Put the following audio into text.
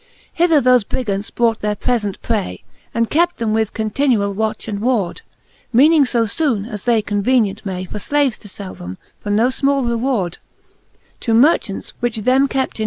XLIIL Hither thofe Brigant^ brought their prefent pray, And kept them with continuall watch and ward ;, Meaning fo foone, as they convenient may. For flaves to fell them, for no fmall reward,, To merchants, which them kept in.